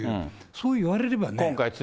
そう言われればね。